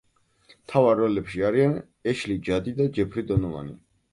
მთავარ როლებში არიან ეშლი ჯადი და ჯეფრი დონოვანი.